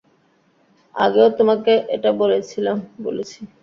আগেও তোমাকে এটা বলেছি।